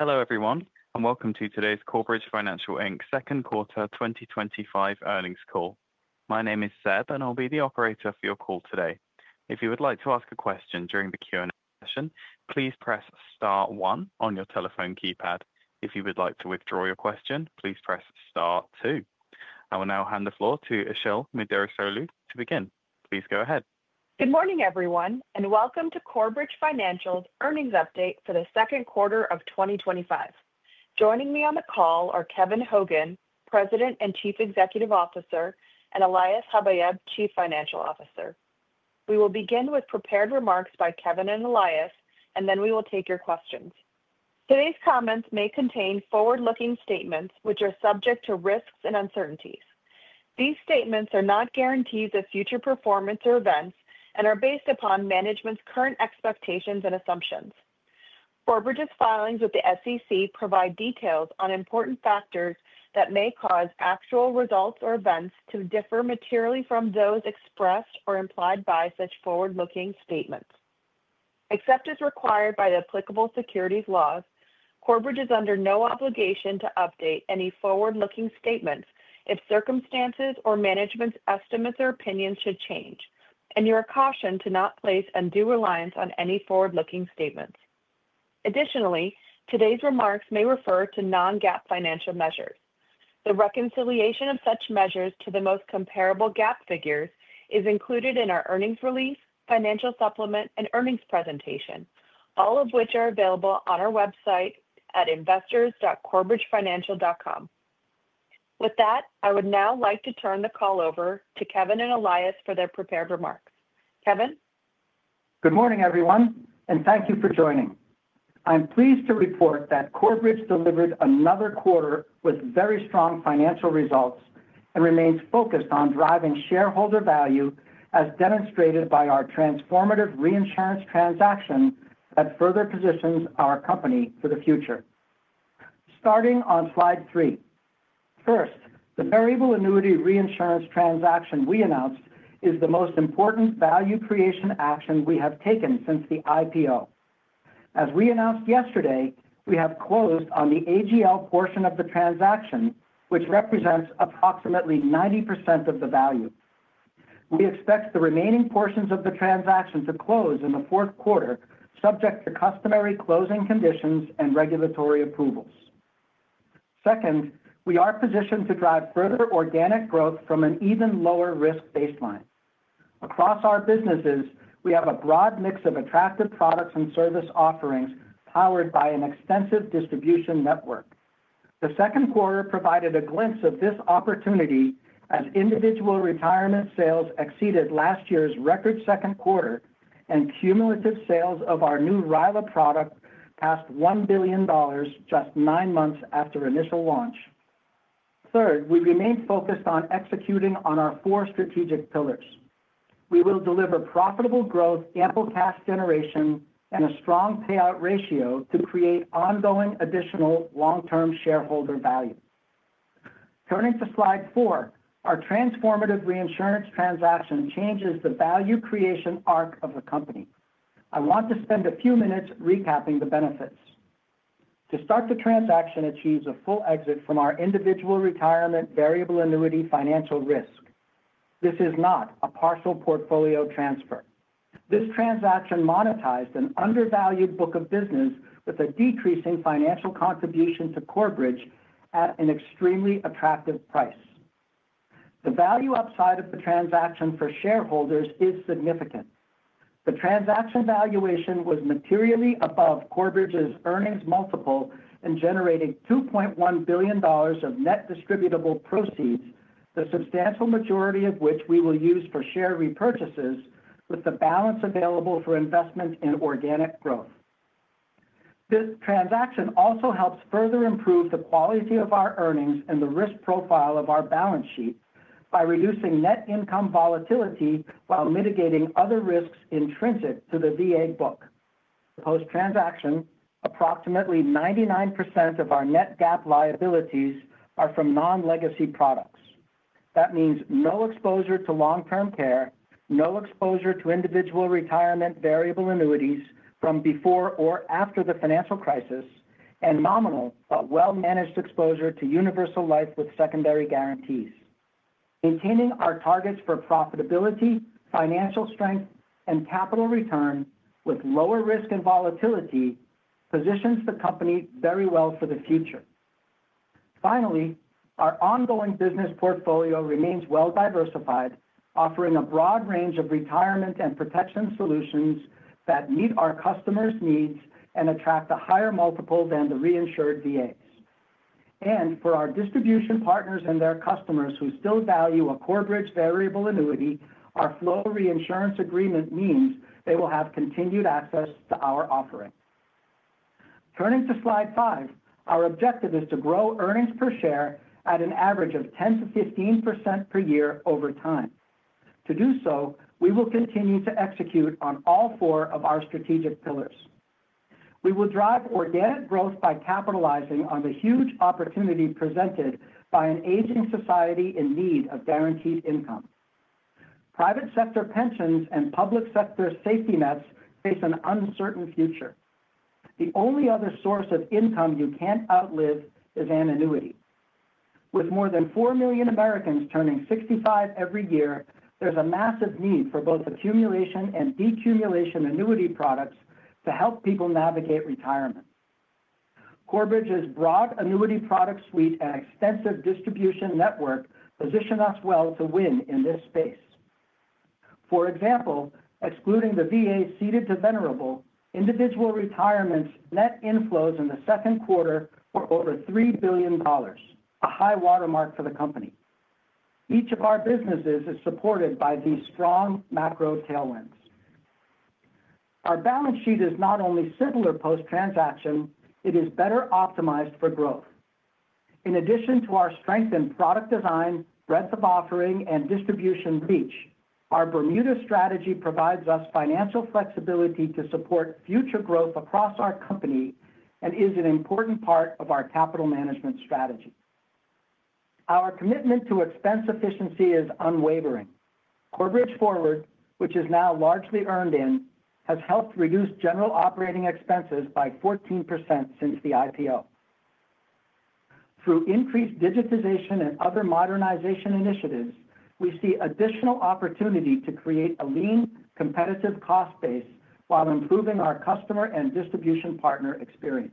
Hello everyone and welcome to today's Corebridge Financial Inc. Second Quarter 2025 Earnings Call. My name is Seb and I'll be the operator for your call today. If you would like to ask a question during the Q&A session, please press star one on your telephone keypad. If you would like to withdraw your question, please press star two. I will now hand the floor to Işıl Müderrisoğlu to begin. Please go ahead. Good morning everyone and welcome to Corebridge Financial's earnings update for the second quarter of 2025. Joining me on the call are Kevin Hogan, President and Chief Executive Officer, and Elias Habayeb, Chief Financial Officer. We will begin with prepared remarks by Kevin and Elias, and then we will take your questions. Today's comments may contain forward-looking statements, which are subject to risks and uncertainties. These statements are not guarantees of future performance or events and are based upon management's current expectations and assumptions. Corebridge's filings with the SEC provide details on important factors that may cause actual results or events to differ materially from those expressed or implied by such forward-looking statements. Except as required by the applicable securities laws, Corebridge is under no obligation to update any forward-looking statements if circumstances or management's estimates or opinions should change, and you are cautioned to not place undue reliance on any forward-looking statements. Additionally, today's remarks may refer to non-GAAP financial measures. The reconciliation of such measures to the most comparable GAAP figures is included in our earnings release, financial supplement, and earnings presentation, all of which are available on our website at investors.corebridgefinancial.com. With that, I would now like to turn the call over to Kevin and Elias for their prepared remarks. Kevin. Good morning everyone and thank you for joining. I'm pleased to report that Corebridge delivered another quarter with very strong financial results and remains focused on driving shareholder value as demonstrated by our transformative reinsurance transaction that further positions our company for the future. Starting on slide 3. First, the variable annuity reinsurance transaction we announced is the most important value creation action we have taken since the IPO. As we announced yesterday, we have closed on the AGL portion of the transaction, which represents approximately 90% of the value. We expect the remaining portions of the transaction to close in the fourth quarter, subject to customary closing conditions and regulatory approvals. Second, we are positioned to drive further organic growth from an even lower risk baseline. Across our businesses, we have a broad mix of attractive products and service offerings powered by an extensive distribution network. The second quarter provided a glimpse of this opportunity as individual retirement sales exceeded last year's record second quarter, and cumulative sales of our new RILA product passed $1 billion just nine months after initial launch. Third, we remain focused on executing on our four strategic pillars. We will deliver profitable growth, ample cash generation, and a strong payout ratio to create ongoing additional long-term shareholder value. Turning to Slide 4, our transformative reinsurance transaction changes the value creation arc of the company. I want to spend a few minutes recapping the benefits. To start, the transaction achieves a full exit from our individual retirement variable annuity financial risk. This is not a partial portfolio transfer. This transaction monetized an undervalued book of business with a decreasing financial contribution to Corebridge at an extremely attractive price. The value upside of the transaction for shareholders is significant. The transaction valuation was materially above Corebridge's earnings multiple and generated $2.1 billion of net distributable proceeds, the substantial majority of which we will use for share repurchases, with the balance available for investment in organic growth. This transaction also helps further improve the quality of our earnings and the risk profile of our balance sheet by reducing net income volatility while mitigating other risks intrinsic to the VA post-transaction. Approximately 99% of our net GAAP liabilities are from non-legacy products. That means no exposure to long-term care, no exposure to individual retirement variable annuities from before or after the financial crisis, and nominal but well-managed exposure to universal life with secondary guarantees. Maintaining our targets for profitability, financial strength, and capital return with lower risk and volatility positions the company very well for the future. Finally, our ongoing business portfolio remains well diversified, offering a broad range of retirement and protection solutions that meet our customers' needs and attract a higher multiple than the reinsured VAs. For our distribution partners and their customers who still value a Corebridge variable annuity, our flow reinsurance agreement means they will have continued access to our offering. Turning to Slide 5, our objective is to grow earnings per share at an average of 10%-15% per year over time. To do so, we will continue to execute on all four of our strategic pillars. We will drive organic growth by capitalizing on the huge opportunity presented by an aging society in need of guaranteed income. Private sector pensions and public sector safety nets face an uncertain future. The only other source of income you can't outlive is an annuity. With more than 4 million Americans turning 65 every year, there's a massive need for both accumulation and decumulation annuity products to help people navigate retirement. Corebridge's broad annuity product suite and extensive distribution network position us well to win in this space. For example, excluding the VA ceded to Venerable, Individual Retirement's net inflows in the second quarter were over $3 billion, a high watermark for the company. Each of our businesses is supported by these strong macro tailwinds. Our balance sheet is not only similar post-transaction, it is better optimized for growth. In addition to our strength in product design, breadth of offering, and distribution reach, our Bermuda strategy provides U.S. financial flexibility to support future growth across our company and is an important part of our capital management strategy. Our commitment to expense efficiency is unwavering. Corebridge Forward, which is now largely earned in, has helped reduce general operating expenses by 14% since the IPO. Through increased digitization and other modernization initiatives, we see additional opportunity to create a lean, competitive cost base while improving our customer and distribution partner experience.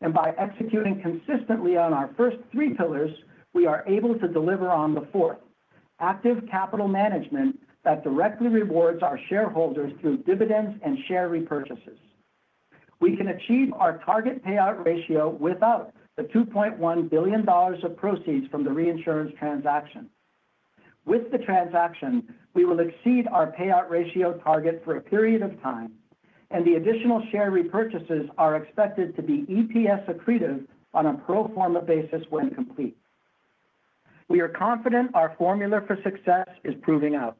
By executing consistently on our first three pillars, we are able to deliver on the fourth. Active capital management that directly rewards our shareholders through dividends and share repurchases. We can achieve our target payout ratio without the $2.1 billion of proceeds from the reinsurance transaction. With the transaction, we will exceed our payout ratio target for a period of time, and the additional share repurchases are expected to be EPS accretive on a pro forma basis. When complete, we are confident our formula for success is proving out.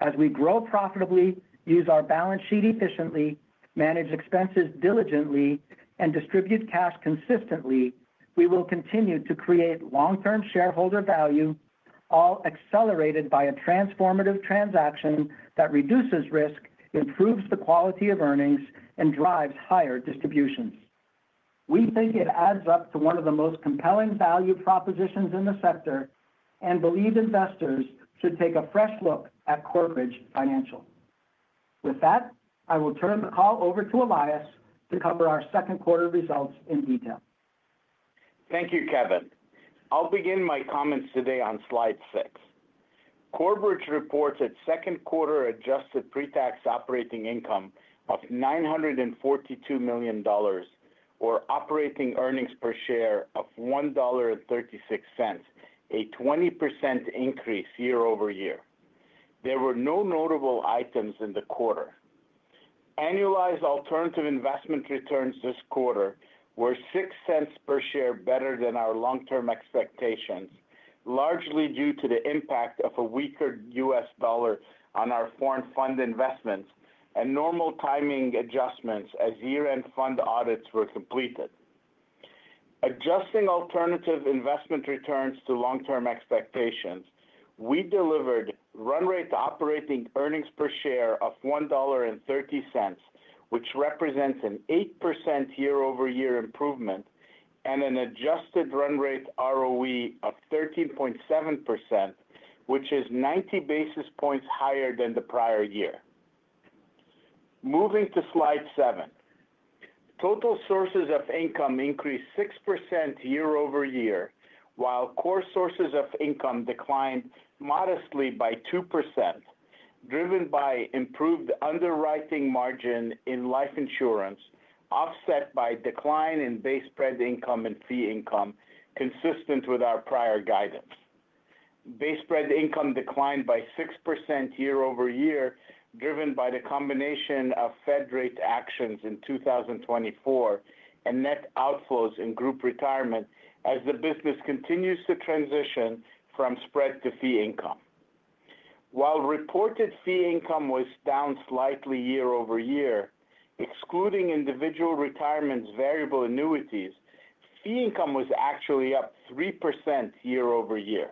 As we grow profitably, use our balance sheet efficiently, manage expenses diligently, and distribute cash consistently, we will continue to create long-term shareholder value, all accelerated by a transformative transaction that reduces risk, improves the quality of earnings, and drives higher distributions. We think it adds up to one of the most compelling value propositions in the sector and believe investors should take a fresh look at Corebridge Financial. With that, I will turn the call over to Elias to cover our second quarter results in detail. Thank you, Kevin. I'll begin my comments today on Slide 6. Corebridge reports its second quarter adjusted pretax operating income of $942 million or operating earnings per share of $1.36, a 20% increase year-over-year. There were no notable items in the quarter. Annualized alternative investment returns this quarter were $0.06 per share better than our long term expectations, largely due to the impact of a weaker U.S. dollar on our foreign fund investments and normal timing adjustments as year end fund audits were completed. Adjusting alternative investment returns to long term expectations, we delivered run rate operating earnings per share of $1.30, which represents an 8% year-over-year improvement and an adjusted run rate ROE of 13.7%, which is 90 basis points higher than the prior year. Moving to Slide 7, total sources of income increased 6% year-over-year while core sources of income declined modestly by 2%, driven by improved underwriting margin in life insurance offset by decline in base spread income and fee income. Consistent with our prior guidance, base spread income declined by 6% year-over-year, driven by the combination of Fed rate actions in 2024 and net outflows in group retirement as the business continues to transition from spread to fee income. While reported fee income was down slightly year-over-year, excluding individual retirement's variable annuities, fee income was actually up 3% year-over-year.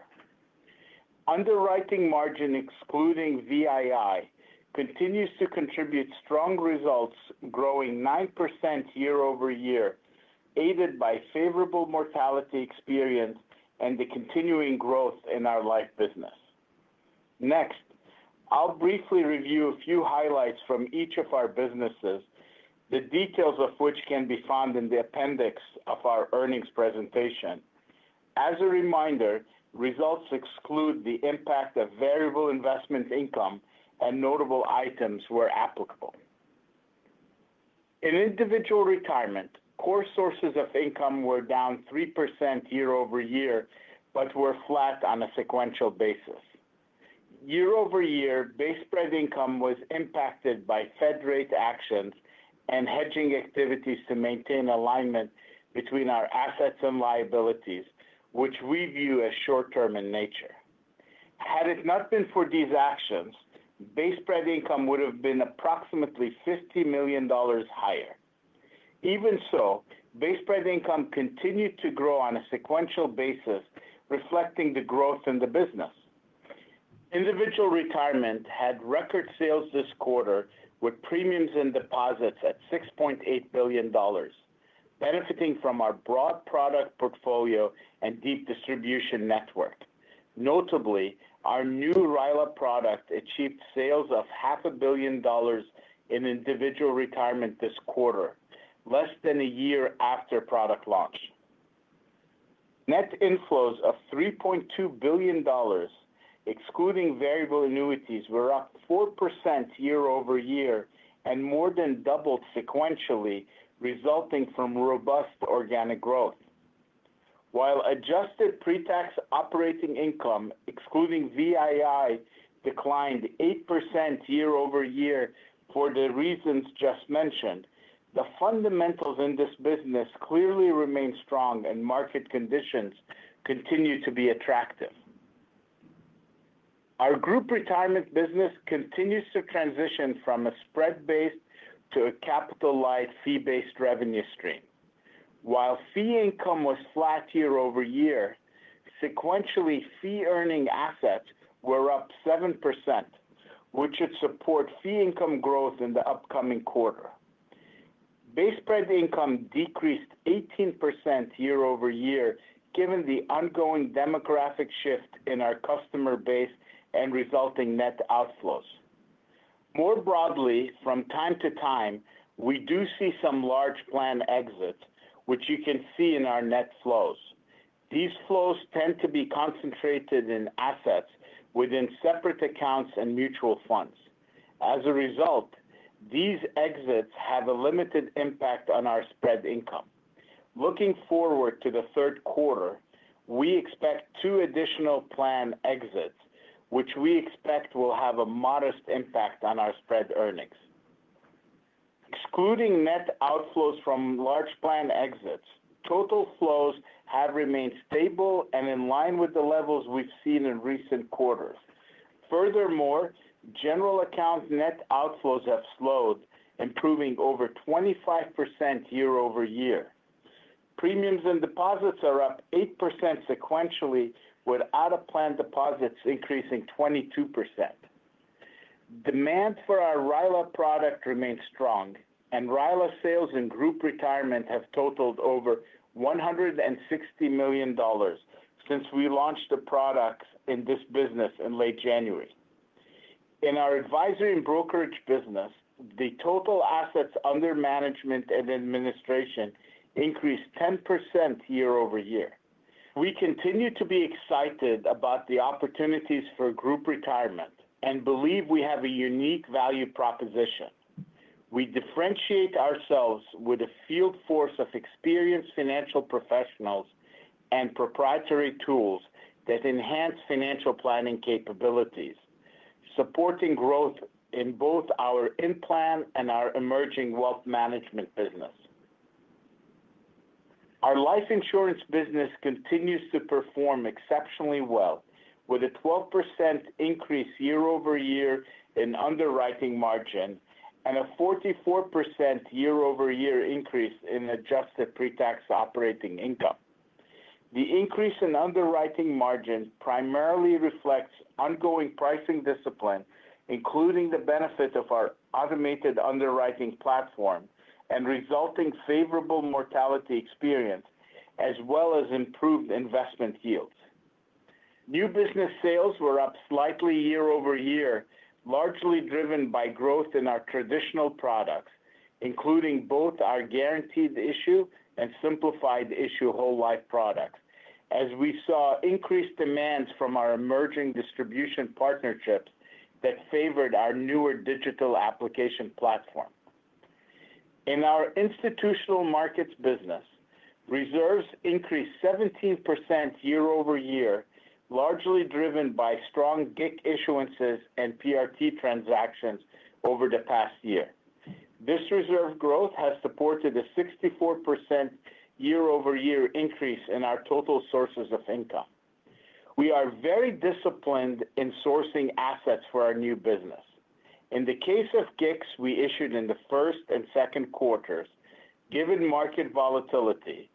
Underwriting margin excluding VII continues to contribute strong results, growing 9% year-ove- year, aided by favorable mortality experience and the continuing growth in our life business. Next, I'll briefly review a few highlights from each of our businesses, the details of which can be found in the appendix of our earnings presentation. As a reminder, results exclude the impact of variable investment income and notable items where applicable. In individual retirement, core sources of income were down 3% year-over-year but were flat on a sequential basis. Year-over-year, base spread income was impacted by Fed rate actions and hedging activities to maintain alignment between our assets and liabilities, which we view as short term in nature. Had it not been for these actions, base spread income would have been approximately $50 million higher. Even so, base spread income continued to grow on a sequential basis, reflecting the growth in the business. Individual retirement had record sales this quarter with premiums and deposits at $6.8 billion. Benefiting from our broad product portfolio and deep distribution network. Notably, our new RILA product achieved sales of $500 million in individual retirement this quarter. Less than a year after product launch, net inflows of $3.2 billion excluding variable annuities were up 4% year-over-year and more than doubled sequentially, resulting from robust organic growth, while adjusted pretax operating income excluding VII declined 8% year-over-year. For the reasons just mentioned, the fundamentals in this business clearly remain strong and market conditions continue to be attractive. Our group retirement business continues to transition from a spread-based to a capital-light fee-based revenue stream. While fee income was flat year-over-year sequentially, fee-earning assets were up 7%, which should support fee income growth in the upcoming quarter. Base print income decreased 18% year-over-year. Given the ongoing demographic shift in our customer base and resulting net outflows more broadly from time to time, we do see some large plan exits, which you can see in our net flows. These flows tend to be concentrated in assets within separate accounts and mutual funds. As a result, these exits have a limited impact on our spread income. Looking forward to the third quarter, we expect two additional plan exits, which we expect will have a modest impact on our spread earnings. Excluding net outflows from large plan exits, total flows had remained stable and in line with the levels we've seen in recent quarters. Furthermore, general accounts net outflows have slowed, improving over 25% year-over-year. Premiums and deposits are up 8% sequentially, with out-of-plan deposits increasing 22%. Demand for our RILA product remains strong, and RILA sales in group retirement have totaled over $160 million since we launched the product in this business in late January. In our advisory and brokerage business, the total assets under management and administration increased 10% year-over-year. We continue to be excited about the opportunities for group retirement and believe we have a unique value proposition. We differentiate ourselves with a field force of experienced financial professionals and proprietary tools that enhance financial planning capabilities, supporting growth in both our in-plan and our emerging wealth management business. Our life insurance business continues to perform exceptionally well with a 12% increase year-over-year in underwriting margin and a 44% year-over-year increase in adjusted pretax operating income. The increase in underwriting margin primarily reflects ongoing pricing discipline, including the benefit of our automated underwriting platform and resulting favorable mortality experience, as well as improved investment yields. New business sales were up slightly year-over-year, largely driven by growth in our traditional products, including both our guaranteed issue and simplified issue whole life products, as we saw increased demand from our emerging distribution partnerships that favored our newer digital application platform. In our institutional markets, business reserves increased 17% year-over-year, largely driven by strong GIC issuance and PRT transactions over the past year. This reserve growth has supported a 64% year-over-year increase in our total sources of income. We are very disciplined in sourcing assets for our new business. In the case of GICs we issued in the first and second quarters, given market volatility,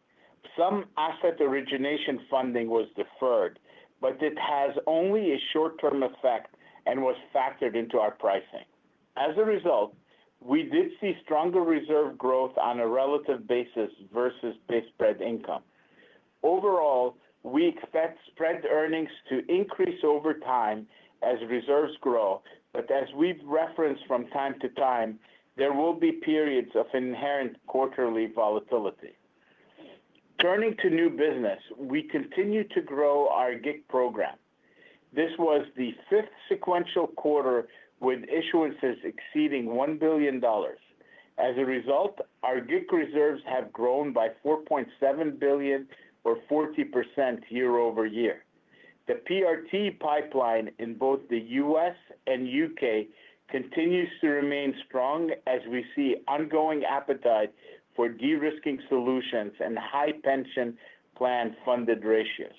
some asset origination funding was deferred, but it has only a short-term effect and was factored into our pricing. As a result, we did see stronger reserve growth on a relative basis versus base spread income. Overall, we expect spread earnings to increase over time as reserves grow, but as we've referenced from time to time, there will be periods of inherent quarterly volatility. Turning to new business, we continue to grow our GIC program. This was the fifth sequential quarter with issuances exceeding $1 billion. As a result, our GIC reserves have grown by $4.7 billion, or 40% year-over-year. The PRT pipeline in both the U.S. and UK continues to remain strong as we see ongoing appetite for de-risking solutions and high pension plan funded ratios.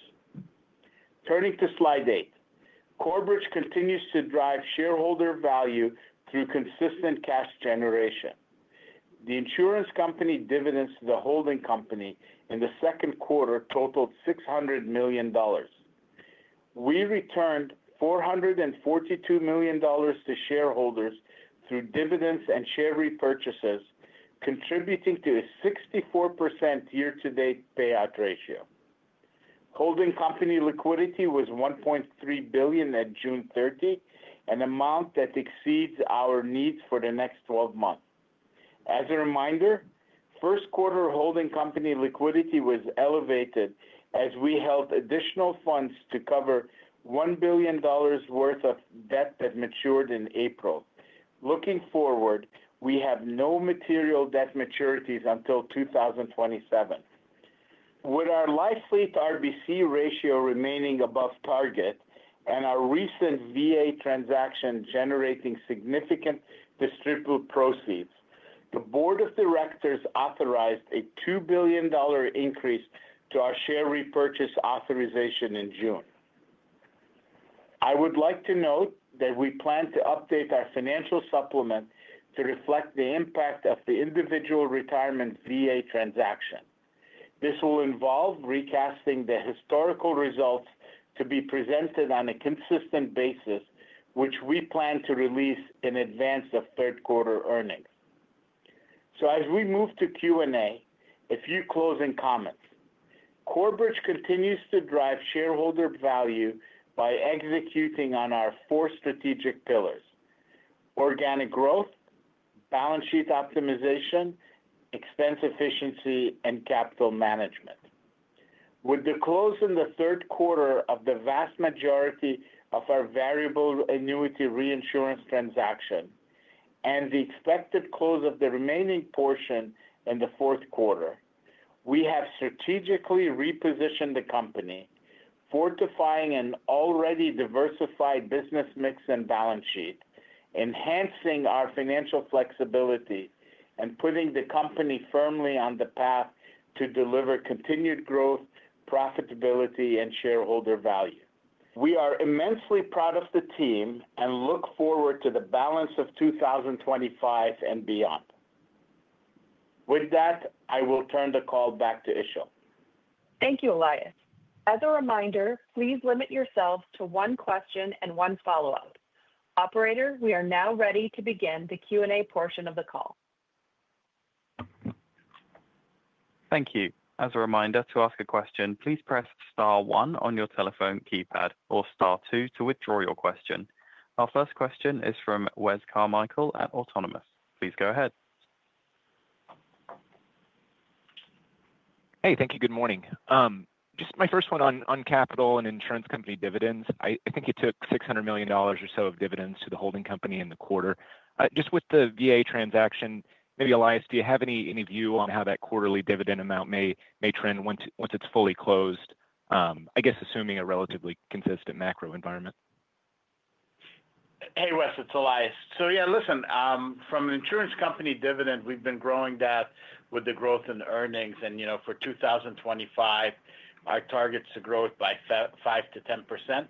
Turning to slide 8, Corebridge Financial continues to drive shareholder value through consistent cash generation. The insurance company dividends to the holding company in the second quarter totaled $600 million. We returned $442 million to shareholders through dividends and share repurchases, contributing to a 64% year to date dividend payout ratio. Holding company liquidity was $1.3 billion at June 30, an amount that exceeds our needs for the next 12 months. As a reminder, first quarter holding company liquidity was elevated as we held additional funds to cover $1 billion worth of debt that matured in April. Looking forward, we have no material debt maturities until 2027. With our life fleet RBC ratio remaining above target and our recent VA transaction generating significant distributed proceeds, the Board of Directors authorized a $2 billion increase to our share repurchase authorization in June. I would like to note that we plan to update our financial supplement to reflect the impact of the individual retirement VA transaction. This will involve recasting the historical results to be presented on a consistent basis, which we plan to release in advance of third quarter earnings. As we move to Q and A, Corebridge Financial continues to drive shareholder value by executing on our four strategic pillars: Organic Growth, Balance Sheet Optimization, Expense Efficiency, and Capital Management. With the close in the third quarter of the vast majority of our variable annuity reinsurance transaction and the expected close of the remaining portion in the fourth quarter, we have strategically repositioned the company, fortifying an already diversified business mix and balance sheet, enhancing our financial flexibility, and putting the company firmly on the path to deliver continued growth, profitability, and shareholder value. We are immensely proud of the team and look forward to the balance of 2025 and beyond. With that, I will turn the call back to Işıl Müderrisoğlu. Thank you, Elias. As a reminder, please limit yourselves to one question and one follow-up. Operator, we are now ready to begin the Q&A portion of the call. Thank you. As a reminder to ask a question, please press star one your telephone keypad or star star two withdraw your question. Our first question is from Wes Carmichael at Autonomous. Please go ahead. Hey, thank you. Good morning. Just my first one on capital and insurance company dividends. I think it took $600 million or so of dividends to the holding company just with the VA transaction. Maybe. Elias, do you have any view on how that quarterly dividend amount may trend once it's fully closed? I guess assuming a relatively consistent macro environment. Hey Wes, it's Elias. From an insurance company dividend, we've been growing that with the growth in earnings and for 2025 our target is to grow it by 5%-10%.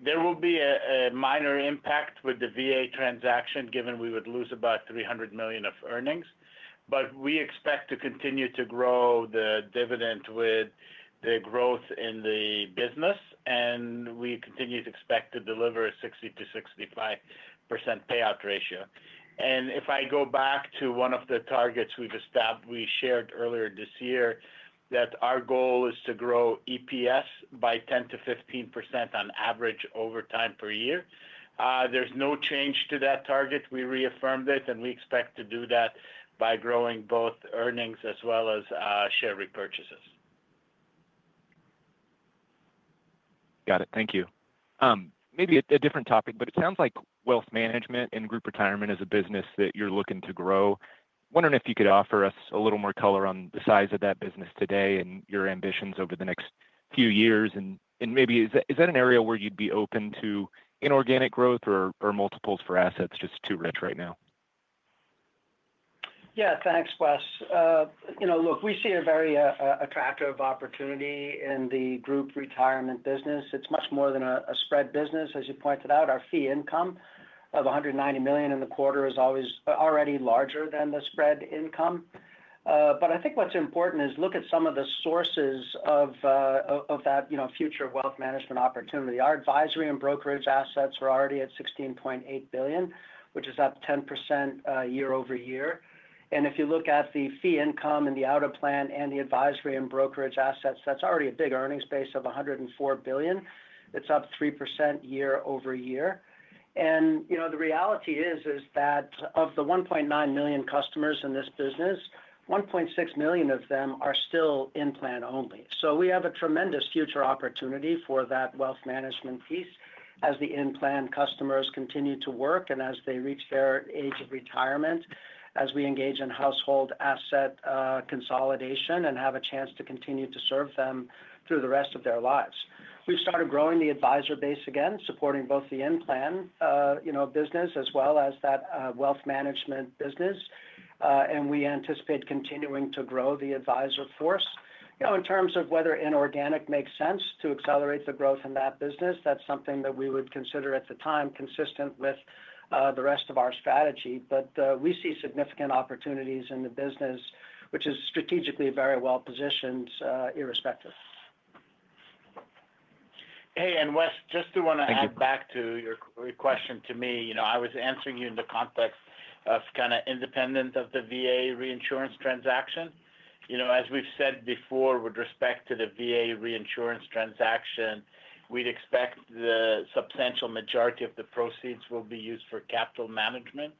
There will be a minor impact with the VA transaction given we would lose about $300 million of earnings. We expect to continue to grow the dividend with the growth in the business and we continue to expect to deliver a 60%-65% payout ratio. If I go back to one of the targets we've established, we shared earlier this year that our goal is to grow EPS by 10%-15% on average over time per year. There's no change to that target. We reaffirmed it and we expect to do that by growing both earnings as well as share repurchases. Got it. Thank you. Maybe a different topic, but it sounds like wealth management and group retirement is a business that you're looking to grow. Wondering if you could offer us a little more color on the size of that business today and your ambitions over the next few years and maybe is that an area where you'd be open to inorganic growth or multiples for assets? Just too rich right now. Yeah, thanks, Wes. You know, look, we see a very attractive opportunity in the group retirement business. It's much more than a spread business. As you pointed out, our fee income of $190 million in the quarter is already larger than the spread income. I think what's important is to look at some of the sources of that future wealth management opportunity. Our advisory and brokerage assets were already at $16.8 billion, which is up 10% year-over-year. If you look at the fee income and the out-of-plan and the advisory and brokerage assets, that's already a big earnings base of $104 billion. It's up 3% year-over-year. The reality is that of the 1.9 million customers in this business, 1.6 million of them are still in plan only. We have a tremendous future opportunity for that wealth management piece as the in-plan customers continue to work and as they reach their age of retirement. As we engage in household asset consolidation and have a chance to continue to serve them through the rest of their lives, we've started growing the advisor base again, supporting both the in-plan business as well as that wealth management business. We anticipate continuing to grow the advisor force. In terms of whether inorganic makes sense to accelerate the growth in that business, that's something that we would consider at the time consistent with the rest of our strategy. We see significant opportunities in the business, which is strategically very well positioned, irrespective. Hey, Wes, just want to get back to your question to me. I was answering you in the context of kind of independent of the VA reinsurance transaction. As we've said before, with respect to the VA reinsurance transaction, we'd expect the substantial majority of the proceeds will be used for capital management.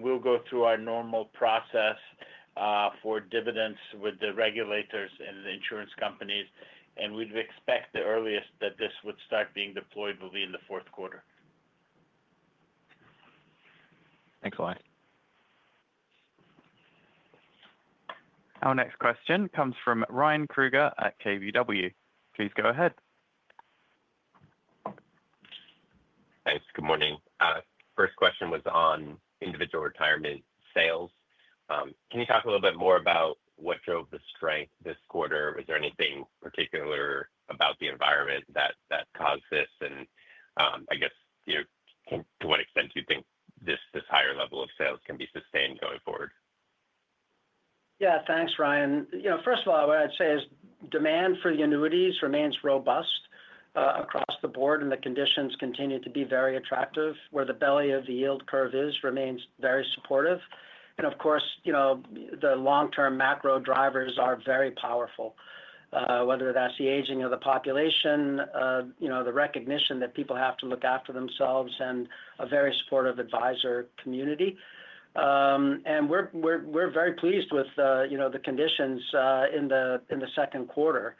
We'll go through our normal process for dividends with the regulators and the insurance companies. We'd expect the earliest that this would start being deployed will be in the fourth quarter. Thanks a lot. Our next question comes from Ryan Krueger at KBW. Please go ahead. Thanks. Good morning. First question was on individual retirement sales. Can you talk a little bit more about what drove the strength this quarter? Was there anything particular about the environment that caused this? To what extent do you think this higher level of sales can be sustained going forward? Yeah, thanks, Ryan. First of all, what I'd say is demand for the annuities remains robust across the board, and the conditions continue to be very attractive where the belly of the yield curve is, remains very supportive. Of course, the long term macro drivers are very powerful, whether that's the aging of the population, the recognition that people have to look after themselves, and a very supportive advisor community. We're very pleased with the conditions in the second quarter.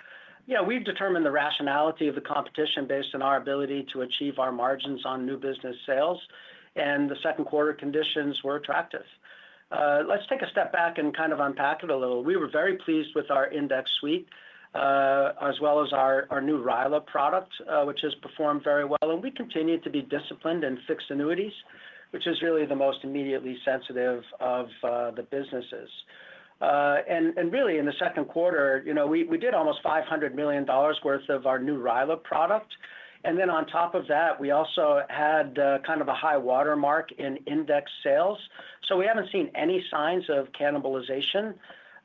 We've determined the rationality of the competition based on our ability to achieve our margins on new business sales, and the second quarter conditions were attractive. Let's take a step back and kind of unpack it a little. We were very pleased with our index suite as well as our new RILA product, which has performed very well. We continue to be disciplined in fixed annuities, which is really the most immediately sensitive of the businesses. In the second quarter, we did almost $500 million worth of our new RILA product. On top of that, we also had a high watermark in index sales. We haven't seen any signs of cannibalization,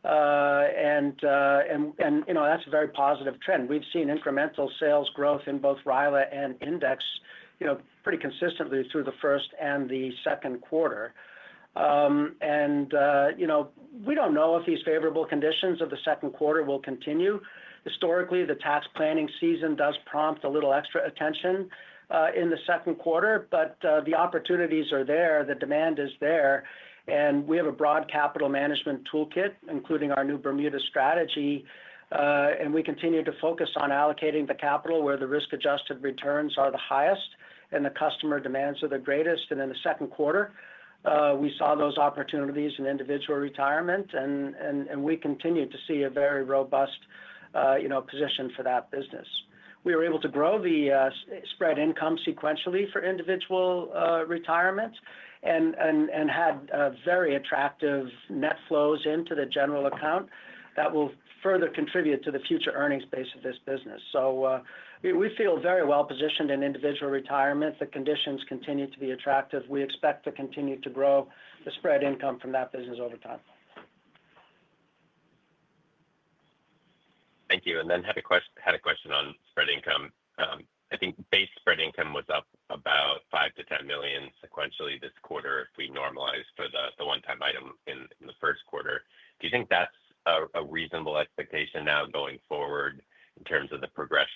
and that's a very positive trend. We've seen incremental sales growth in both RILA and index pretty consistently through the first and the second quarter. We don't know if these favorable conditions of the second quarter will continue. Historically, the tax planning season does prompt a little extra attention in the second quarter. The opportunities are there, the demand is there, and we have a broad capital management toolkit, including our new Bermuda strategy. We continue to focus on allocating the capital where the risk adjusted returns are the highest and the customer demands are the greatest. In the second quarter we saw those opportunities in individual retirement, and we continue to see a very robust position for that business. We were able to grow the spread income sequentially for individual retirement and had very attractive net flows into the general account that will further contribute to the future earnings base of this business. We feel very well positioned in individual retirement. The conditions continue to be attractive. We expect to continue to grow the spread income from that business over time. Thank you. I had a question on spread income. I think base spread income was up about $5 million-$10 million sequentially this quarter. If we normalize for the one-time item in the first quarter, do you think that's a reasonable expectation now going forward in terms of the progression?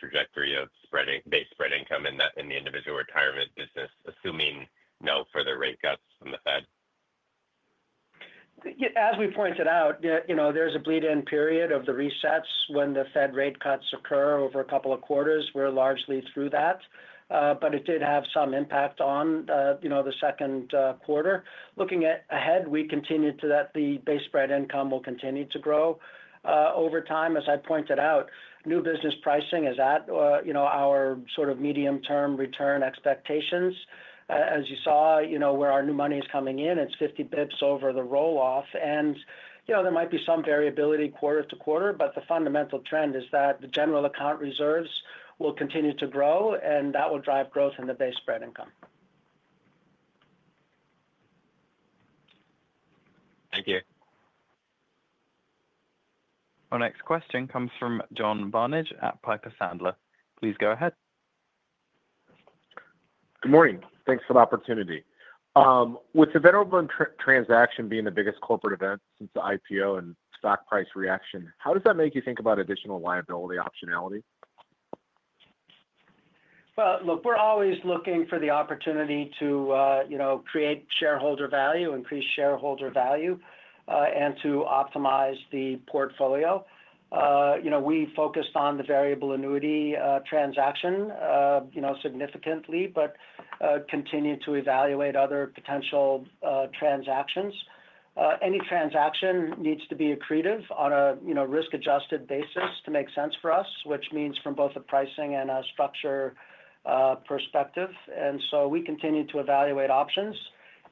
Trajectory of spreading base spread income in the Individual Retirement business assuming no further rate cuts from the Fed? As we pointed out, there's a bleed-in period of the resets when the Fed rate cuts occur over a couple of quarters. We're largely through that. It did have some impact on the second quarter looking ahead. We continue to see that the base spread income will continue to grow over time. As I pointed out, new business pricing is at our sort of medium-term return expectations. As you saw, where our new money is coming in, it's 50 bps over the roll-off. There might be some variability quarter-to-quarter, but the fundamental trend is that the general account reserves will continue to grow and that will drive growth in the base spread income. Thank you. Our next question comes from John Barnage at Piper Sandler. Please go ahead. Morning. Thanks for the opportunity. With the Venerable transaction being the biggest corporate event since the IPO and stock price reaction, how does that make you think about additional liability optionality? We're always looking for the opportunity to create shareholder value, increase shareholder value, and to optimize the portfolio. We focused on the variable annuity transaction significantly, but continue to evaluate other potential transactions. Any transaction needs to be accretive on a risk-adjusted basis to make sense for us, which means from both the pricing and structure perspective. We continue to evaluate options,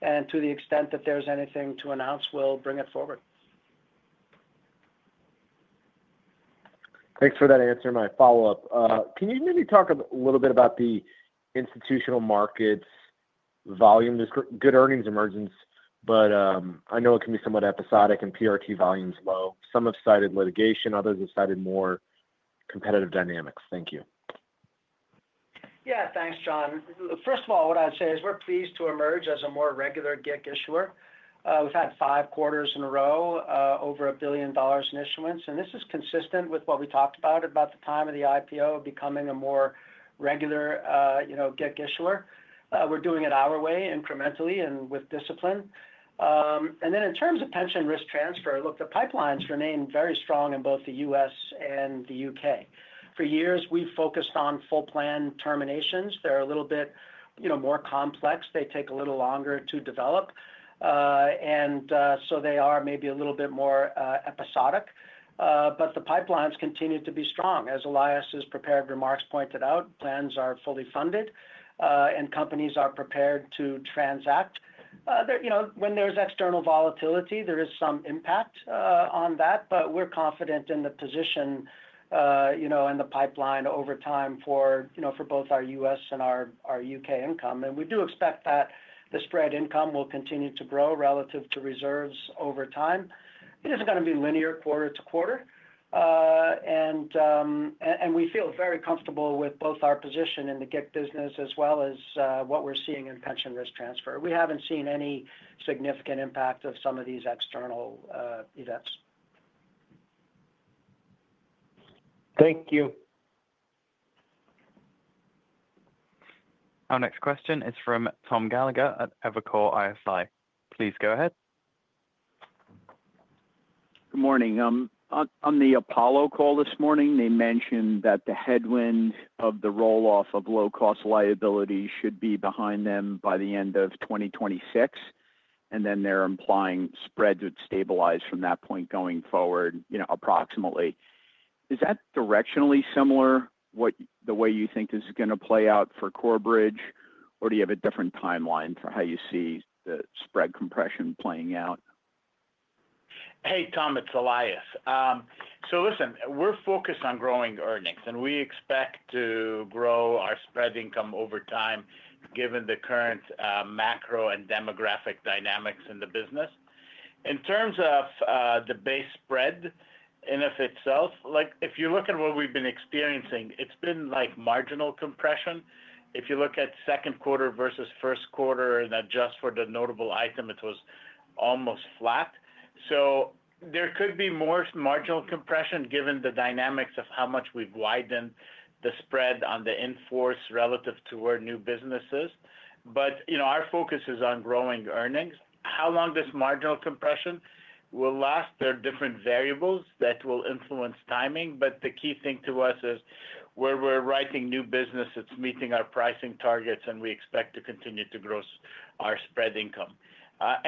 and to the extent that there's anything to announce, we'll bring it forward. Thanks for that answer. My follow-up, can you maybe talk a little bit about the institutional markets volume, good earnings emergence, but I know it can be somewhat episodic and PRT volumes low. Some have cited litigation, others have cited more competitive dynamics. Thank you. Yeah, thanks, John. First of all, what I'd say is we're pleased to emerge as a more regular GIC issuer. We've had five quarters in a row, over $1 billion in issuance. This is consistent with what we talked about at the time of the IPO, becoming a more regular GIC issuer. We're doing it our way, incrementally and with discipline. In terms of pension risk transfer, the pipelines remain very strong in both the U.S. and the U.K. For years we've focused on full plan terminations. They're a little bit more complex, they take a little longer to develop, and so they are maybe a little bit more episodic. The pipelines continue to be strong. As Elias prepared remarks pointed out, plans are fully funded and companies are prepared to transact when there's external volatility. There is some impact on that. We're confident in the position in the pipeline over time for both our U.S. and our U.K. income. We do expect that the spread income will continue to grow relative to reserves over time. It is not going to be linear quarter to quarter, and we feel very comfortable with both our position in the GIC business as well as what we're seeing in pension risk transfer. We haven't seen any significant impact of some of these external events. Thank you. Our next question is from Tom Gallagher at Evercore ISI. Please go ahead. Good morning. On the Apollo call this morning, they mentioned that the headwind of the roll off of low cost liabilities should be behind them by the end of 2026. They're implying spreads would stabilize from that point going forward, approximately. Is that directionally similar to the way you think this is going to play out for Corebridge Financial? Or do you have a different timeline for how you see the spread compression playing out? Hey Tom, it's Elias. Listen, we're focused on growing earnings and we expect to grow our spread income over time. Given the current macro and demographic dynamics in the business, in terms of the base spread in of itself, if you look at what we've been experiencing, it's been marginal compression. If you look at second quarter versus first quarter and adjust for the notable item, it was almost flat. There could be more marginal compression given the dynamics of how much we've widened the spread on the in force relative to where new business is, but our focus is on growing earnings. How long this marginal compression will last, there are different variables that will influence timing. The key thing to us is where we're writing new business, it's meeting our pricing targets and we expect to continue to grow our spread income.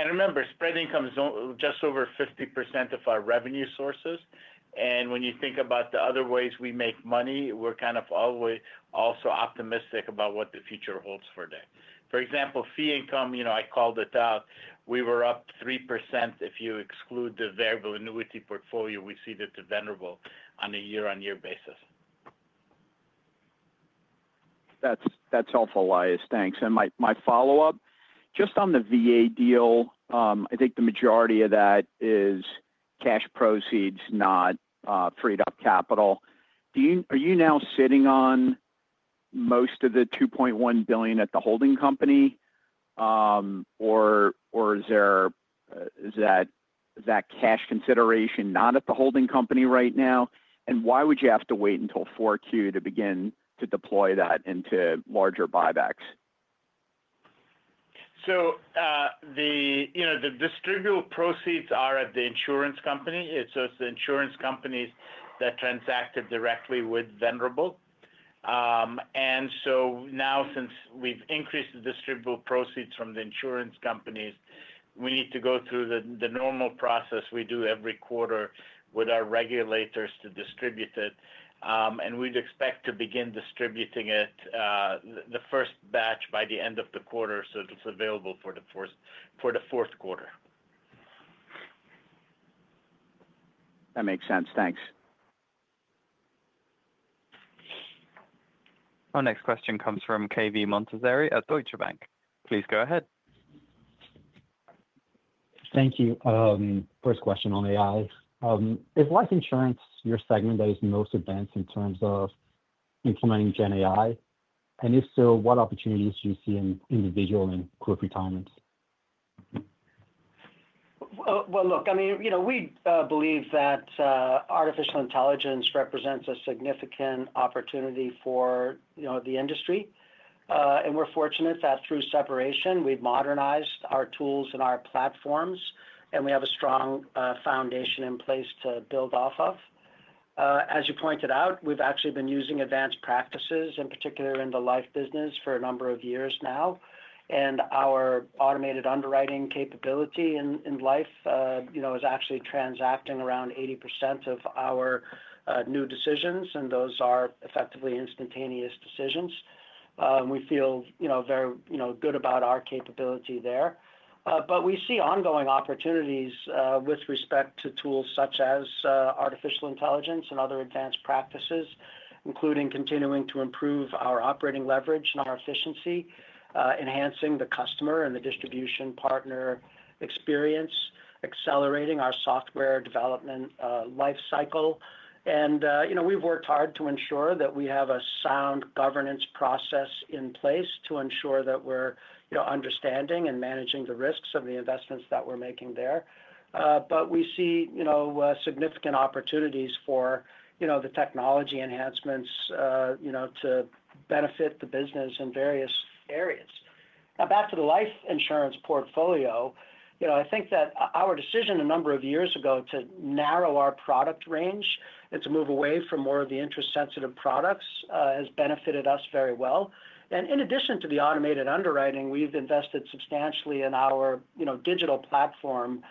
Remember, spread income is just over 50% of our revenue sources. When you think about the other ways we make money, we're also optimistic about what the future holds for that. For example, fee income, I called it out, we were up 3%. If you exclude the variable annuity portfolio, we see that the Venerable on a year on year basis. That's helpful, Elias. Thanks. My follow-up just on the VA deal, I think the majority of that is cash proceeds, not freed up capital. Are you now sitting on most of the $2.1 billion at the holding company or is that cash consideration not at the holding company right now? Why would you have to wait until 4Q to begin to deploy that into larger buybacks? The distributable proceeds are at the insurance company. It's the insurance companies that transacted directly with Venerable and since we've increased the distributable proceeds from the insurance companies, we need to go through the normal process we do every quarter with our regulators to distribute it and we'd expect to begin distributing it, the first batch by the end of the quarter so it's available for the fourth quarter. That makes sense. Thanks. Our next question comes from Cave Montazeri at Deutsche Bank. Please go ahead. Thank you. First question on AI. Is life insurance your segment that is most advanced in terms of implementing GenAI, and if so, what opportunities do you see in individual and group retirement? I mean, you know, we believe that artificial intelligence represents a significant opportunity for the industry. We're fortunate that through separation we've modernized our tools and our platforms, and we have a strong foundation in place to build off of. As you pointed out, we've actually been using advanced practices in particular in the life business for a number of years now. Our automated underwriting capability in life is actually transacting around 80% of our new decisions, and those are effectively instantaneous decisions. We feel very good about our capability there, but we see ongoing opportunities with respect to tools such as artificial intelligence and other advanced practices, including continuing to improve our operating leverage and our efficiency, enhancing the customer and the distribution partner experience, accelerating our software development life cycle. We've worked hard to ensure that we have a sound governance process in place to ensure that we're understanding and managing the risks of the investments that we're making there. We see significant opportunities for the technology enhancements to benefit the business in various areas. Back to the life insurance portfolio. I think that our decision a number of years ago to narrow our product range and to move away from more of the interest sensitive products has benefited us very well. In addition to the automated underwriting, we've invested substantially in our digital platform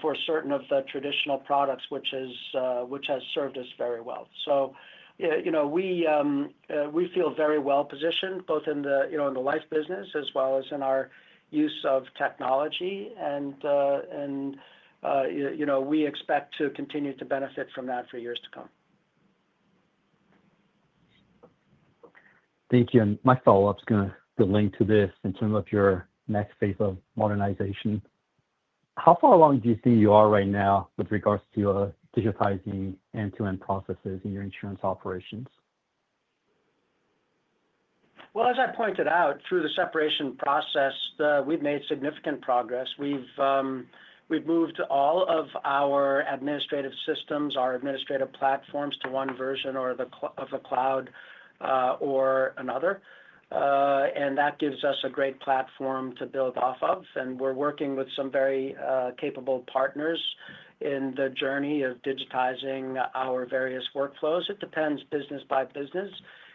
for certain of the traditional products, which has served us very well. We feel very well positioned both in the life business as well as in our use of technology, and we expect to continue to benefit from that for years to come. Thank you. My follow-up is going to link to this. In terms of your next phase of modernization, how far along do you think you are right now with regards to digitizing end to end processes in your insurance operations? As I pointed out, through the separation process we've made significant progress. We've moved all of our administrative systems, our administrative platforms to one version of the cloud or another, and that gives us a great platform to build off of. We're working with some very capable partners in the journey of digitizing our various workflows. It depends business by business.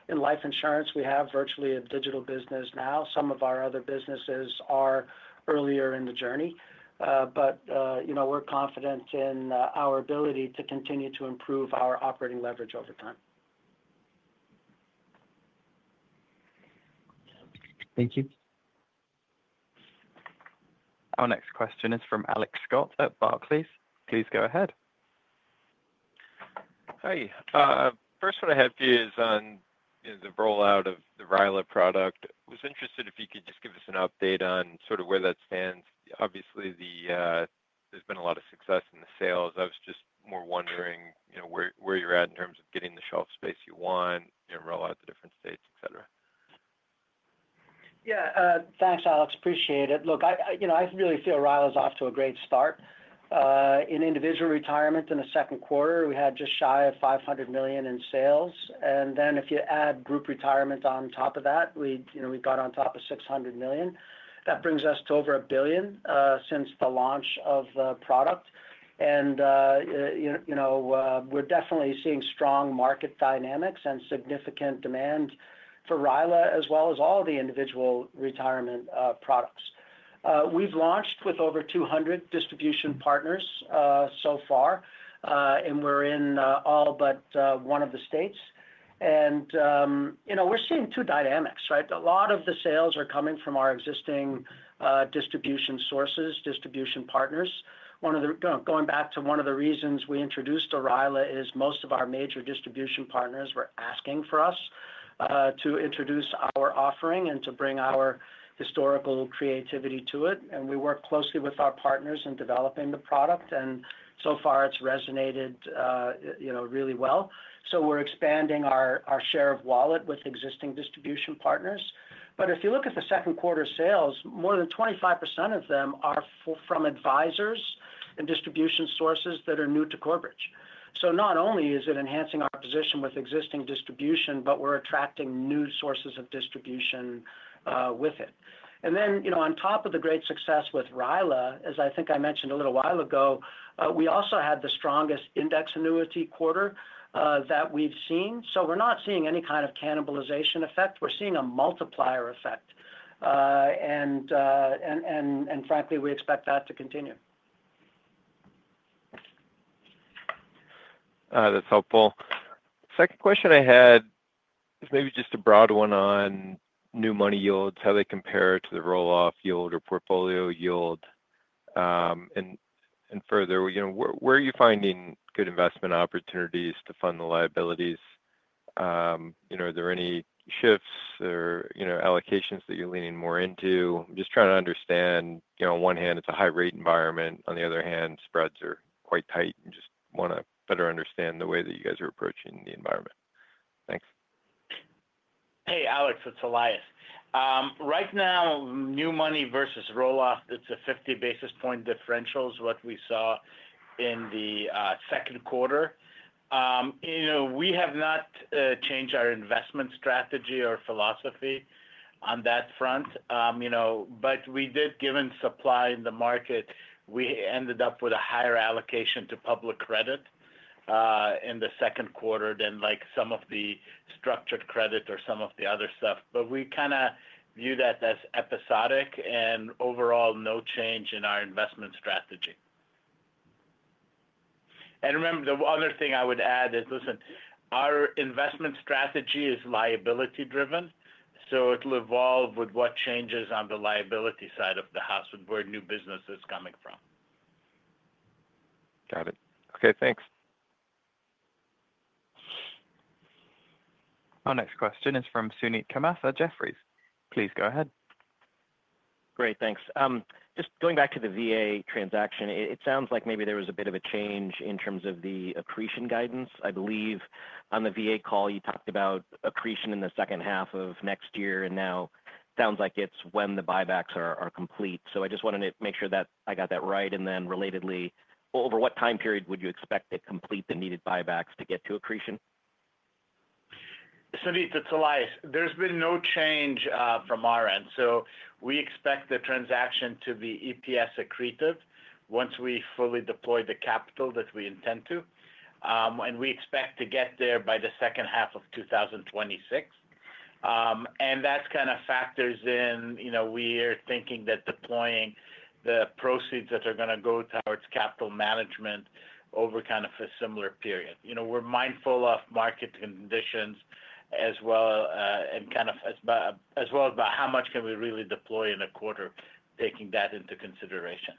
In Life Insurance we have virtually a digital business now. Some of our other businesses are earlier in the journey, but we're confident in our ability to continue to improve our operating leverage over time. Thank you. Our next question is from Alex Scott at Barclays. Please go ahead. Hi. First one I have for you is on the rollout of the RILA product. Was interested if you could just give us an update on sort of where that stands. Obviously, there's been a lot of success in the sales. I was just more wondering where you're at in terms of getting the shelf space you want, rollout, the different states, etc. Yeah, thanks Alex, appreciate it. Look, I really feel RILA is off to a great start in Individual Retirement. In the second quarter we had just shy of $500 million in sales. If you add Group Retirement on top of that, we got on top of $600 million. That brings us to over $1 billion since the launch of the product. We're definitely seeing strong market dynamics and significant demand for RILA as well as all the Individual Retirement products. We've launched with over 200 distribution partners so far, and we're in all but one of the states. We're seeing two dynamics. A lot of the sales are coming from our existing distribution sources. Distribution partners, going back to one of the reasons we introduced RILA, is most of our major distribution partners were asking for us to introduce our offering and to bring our historical creativity to it. We work closely with our partners in developing the product and so far it's resonated really well. We're expanding our share of wallet with existing distribution partners. If you look at the second quarter sales, more than 25% of them are from advisors and distribution sources that are new to Corebridge. Not only is it enhancing our position with existing distribution, but we're attracting new sources of distribution with it. On top of the great success with RILA, as I think I mentioned a little while ago, we also had the strongest index annuity quarter that we've seen. We're not seeing any kind of cannibalization effect. We're seeing a multiplier effect and frankly, we expect that to continue. That's helpful. Second question I had is maybe just a broad one on new money yields, how they compare to the roll off yield or portfolio yield. Further, where are you finding good investment opportunities to fund the liabilities? Are there any shifts or allocations that you're leaning more into? Just trying to understand. On one hand, it's a high rate environment. On the other hand, spreads are quite tight and just want to better understand the way that you guys are approaching the environment. Thanks. Hey Alex, it's Elias. Right now, new money versus roll off, it's a 50 basis point differential is what we saw in the second quarter. We have not changed our investment strategy or philosophy on that front, but we did, given supply in the market, end up with a higher allocation to public credit in the second quarter than some of the structured credit or some of the other stuff. We kind of view that as episodic and overall no change in our investment strategy. Remember, the other thing I would add is, listen, our investment strategy is liability driven, so it will evolve with what changes on the liability side of the house with where new business is coming from. Got it. Okay, thanks. Our next question is from Suneet Kamath at Jefferies. Please go ahead. Great, thanks. Just going back to the VA transaction, it sounds like maybe there was a bit of a change in terms of the accretion guidance. I believe on the VA call you talked about accretion in the second half of next year, and now sounds like. It's when the buybacks are complete. I just wanted to make sure that I got that right. Relatedly, over what time period would you expect to complete the needed buybacks to get to accretion? Suneet to Elias, there's been no change from our end, so we expect the transaction to be EPS accretive once we fully deploy the capital that we intend to, and we expect to get there by the second half of 2026. That kind of factors in, you know, we're thinking that deploying the proceeds that are going to go towards capital management over kind of a similar period. We're mindful of market environment conditions as well and as well about how much can we really deploy in a quarter, taking that into consideration.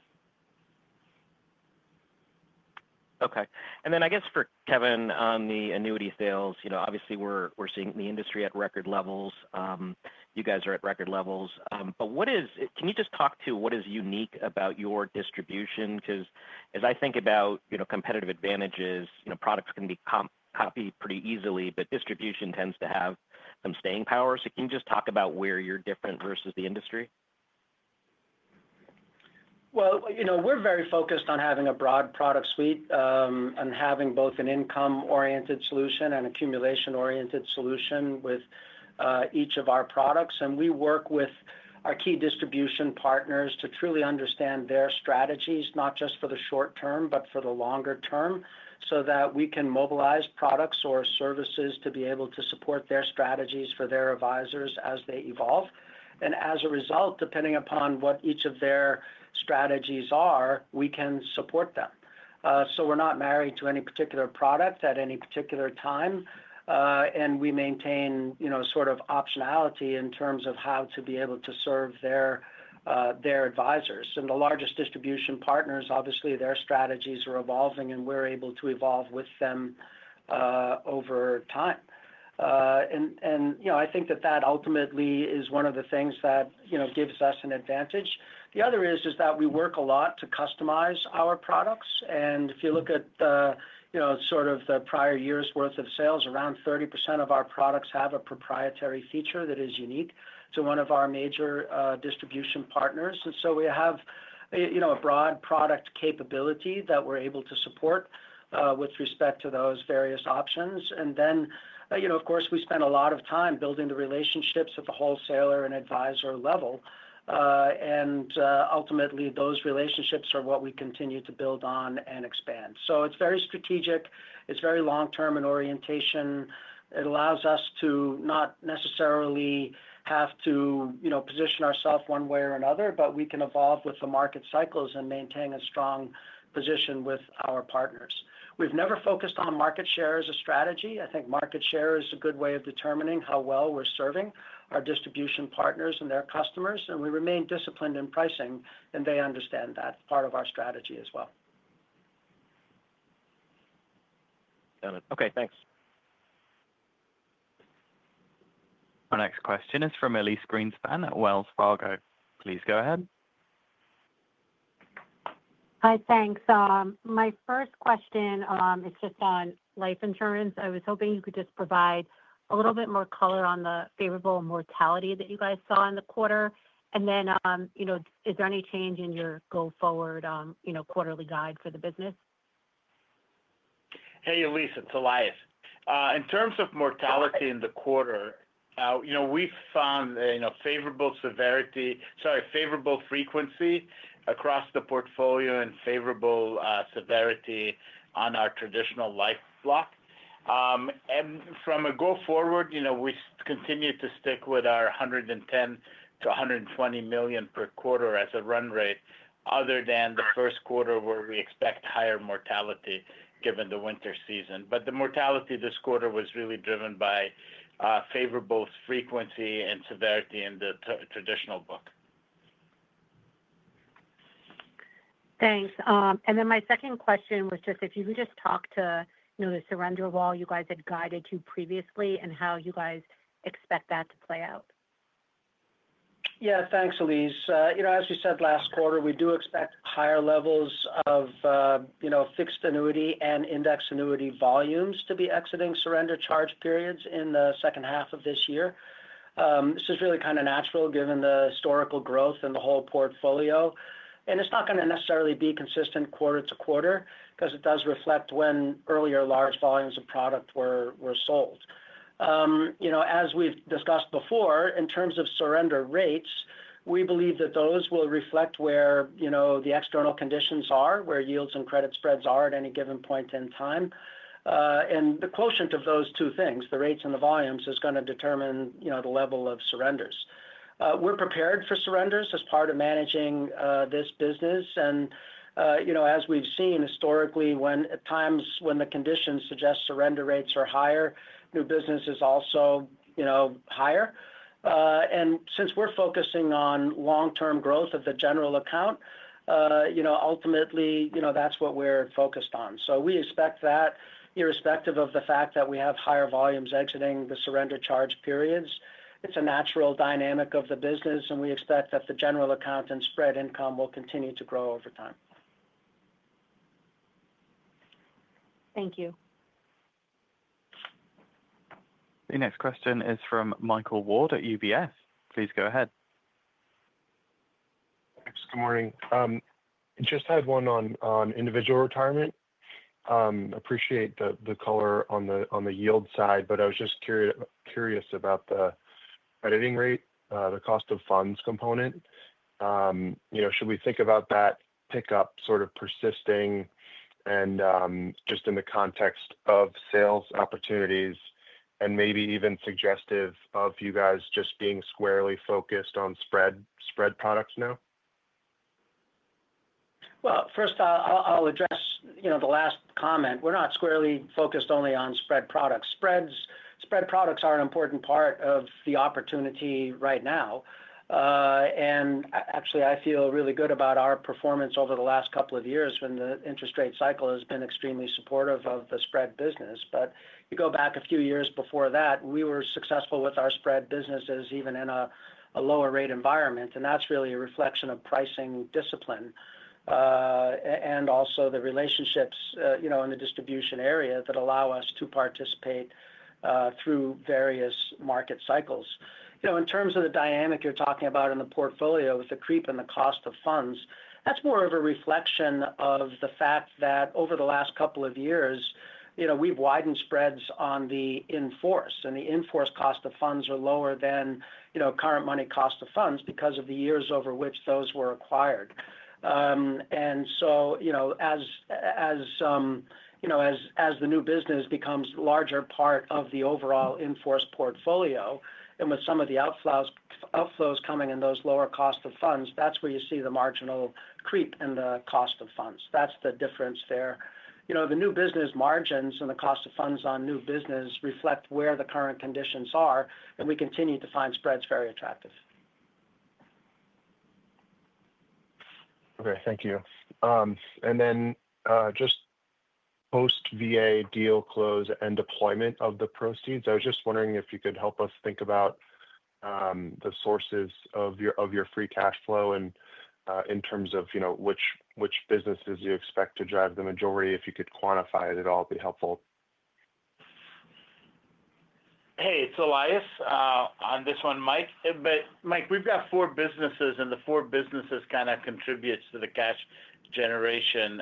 Okay. I guess for Kevin, on the annuity sales, you know, obviously we're seeing the industry at record levels. You guys are at record levels. Can you just talk to what is unique about your distribution? As I think about competitive advantages, products can be copied pretty easily, but distribution tends to have some staying power. Can you just talk about where you're different versus the industry? We are very focused on having a broad product suite and having both an income-oriented solution and accumulation-oriented solution with each of our products. We work with our key distribution partners to truly understand their strategies, not just for the short term, but for the longer term, so that we can mobilize products or services to be able to support their strategies for their advisors as they evolve. As a result, depending upon what each of their strategies are, we can support them. We are not married to any particular product at any particular time and we maintain optionality in terms of how to be able to serve their advisors and the largest distribution partners. Obviously, their strategies are evolving and we are able to evolve with them over time. I think that ultimately is one of the things that gives us an advantage. The other is that we work a lot to customize our products. If you look at the prior year's worth of sales, around 30% of our products have a proprietary feature that is unique to one of our major distribution partners. We have a broad product capability that we are able to support with respect to those various options. Of course, we spend a lot of time building the relationships at the wholesaler and advisor level. Ultimately, those relationships are what we continue to build on and expand. It is very strategic, it is very long term in orientation. It allows us to not necessarily have to position ourself one way or another, but we can evolve with the market cycles and maintain a stronger position with our partners. We have never focused on market share as a strategy. I think market share is a good way of determining how well we are serving our distribution partners and their customers. We remain disciplined in pricing and they understand that part of our strategy as well. Okay, thanks. Our next question is from Elyse Greenspan at Wells Fargo. Please go ahead. Hi, thanks. My first question is just on life insurance. I was hoping you could just provide a little bit more color on the favorable mortality that you guys saw in the quarter, and then, you know, is there any change in your go forward, you know, quarterly guide for the business? Hey, Elyse, it's Elias. In terms of mortality in the quarter, we've found favorable frequency across the portfolio and favorable severity on our traditional life block. From a go forward, we continue to stick with our $110 million-$120 million per quarter as a run rate other than the first quarter, where we expect higher mortality given the winter season. The mortality this quarter was really driven by favorable frequency and severity. The traditional book. Thanks. My second question was just if you could talk to the surrender of all you guys had guided to previously and how you guys expect that to play out? Yeah, thanks, Elyse. As we said last quarter, we do expect higher levels of fixed annuity and index annuity volumes to be exiting surrender charge periods in the second half of this year. This is really kind of natural given the historical growth in the whole portfolio. It's not going to necessarily be consistent quarter to quarter because it does reflect when earlier large volumes of product were sold. As we've discussed before, in terms of surrender rates, we believe that those will reflect where the external conditions are, where yields and credit spreads are at any given point in time. The quotient of those two things, the rates and the volumes, is going to determine the level of surrenders. We're prepared for surrenders as part of managing this business. As we've seen historically, when at times when the conditions suggest surrender rates are higher, new business is also higher. Since we're focusing on long term growth of the general account, ultimately, that's what we're focused on. We expect that irrespective of the fact that we have higher volumes exiting the surrender charge periods. It's a natural dynamic of the business and we expect that the general account and spread income will continue to grow over time. Thank you. The next question is from Michael Ward at UBS. Please go ahead. Good morning. Just had one on Individual Retirement. Appreciate the color on the yield side. I was just curious about the editing rate, the cost of funds component. Should we think about that pickup sort of persisting, and just in the context of sales opportunities and maybe even suggestive of you guys just being squarely focused on spread, spread products now? First, I'll address the last comment. We're not squarely focused only on spread products. Spread products are an important part of the opportunity right now. Actually, I feel really good about our performance over the last couple of years when the interest rate cycle has been extremely supportive of the spread business. If you go back a few years before that, we were successful with our spread businesses even in a lower rate environment. That's really a reflection of pricing discipline and also the relationships in the distribution area that allow us to participate through various market cycles. In terms of the dynamic you're talking about in the portfolio with the creep in the cost of funds, that's more of a reflection of the fact that over the last couple of years we've widened spreads on the in force and the in force cost of funds are lower than current money cost of funds because of the years over which those were acquired. As the new business becomes a larger part of the overall in force portfolio and with some of the outflows coming in those lower cost of funds, that's where you see the marginal creep in the cost of funds. That's the difference there. The new business margins and the cost of funds on new business reflect where the current conditions are. We continue to find spreads very attractive. Okay, thank you. Just post VA deal close and deployment of the proceeds, I was just wondering if you could help us think about the sources of your free cash flow and in terms of which businesses you expect to drive the majority. If you could quantify it at all, be helpful. Hey, it's Elias on this one, Mike. We've got four businesses and the four businesses contribute to the cash generation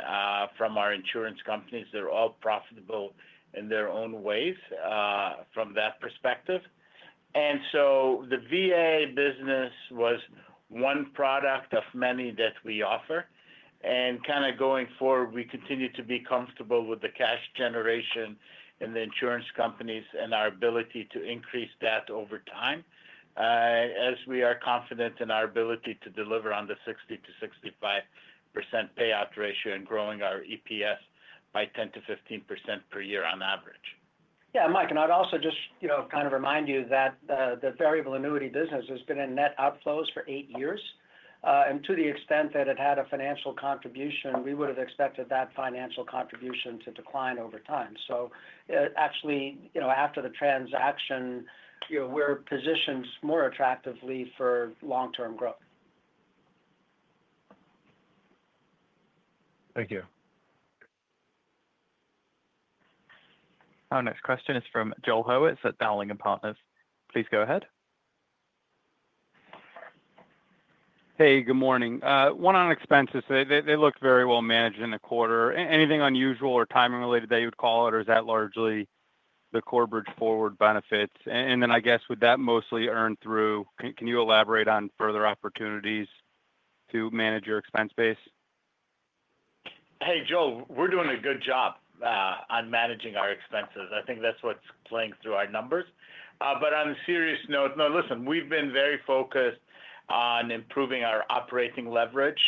from our insurance companies. They're all profitable in their own ways from that perspective. The VA business was one product of many that we offer. Going forward, we continue to be comfortable with the cash generation in the insurance companies and our ability to increase that over time as we are confident in our ability to deliver on the 60%-65% payout ratio and growing our EPS by 10%-15% per year on average. Yeah, Mike. I'd also just kind of remind you that the variable annuity business has been in net outflows for eight years. To the extent that it had a financial contribution, we would have expected that financial contribution to decline over time. Actually, after the transaction, we're positioned more attractively for long term growth. Thank you. Our next question is from Joel Hurwitz at Dowling and Partners. Please go ahead. Hey, good morning. One on expenses, they looked very well managed in the quarter. Anything unusual or timing related that you would call out, or is that largely the Corebridge Forward benefits? And then I guess with that mostly earned through. Can you elaborate on further opportunities to manage your expense base? Hey, Joel, we're doing a good job on managing our expenses. I think that's what's playing through our numbers. On a serious note, no, we've been very focused on improving our operating leverage.